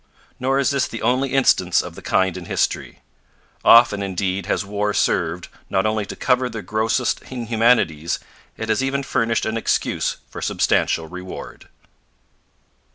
Nor is this the only instance of the kind in history. Often, indeed, has war served, not only to cover the grossest inhumanities; it has even furnished an excuse for substantial reward.